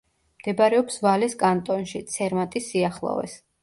მდებარეობს ვალეს კანტონში, ცერმატის სიახლოვეს.